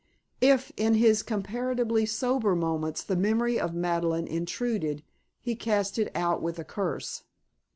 If, in his comparatively sober moments, the memory of Madeleine intruded, he cast it out with a curse.